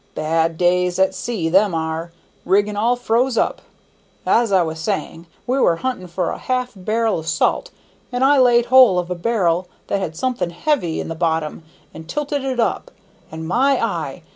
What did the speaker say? Bad days at sea, them are; rigging all froze up. As I was saying, we were hunting for a half bar'l of salt, and I laid hold of a bar'l that had something heavy in the bottom, and tilted it up, and my eye!